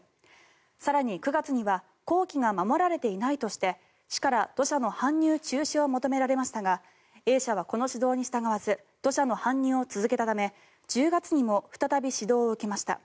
更に９月には工期が守られていないとして市から土砂の搬入中止を求められましたがＡ社はこの指導に従わず土砂の搬入を続けたため１０月にも再び指導を受けました。